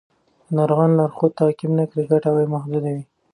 که ناروغان لارښود تعقیب نه کړي، ګټه به محدوده وي.